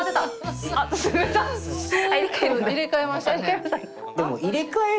スッと入れ替えましたね。